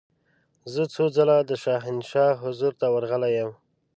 زه څو ځله د شاهنشاه حضور ته ورغلې یم.